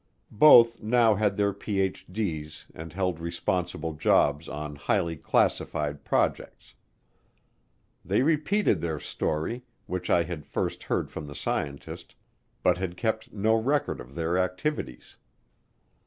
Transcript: Both now had their Ph.D.'s and held responsible jobs on highly classified projects. They repeated their story, which I had first heard from the scientist, but had kept no record of their activities.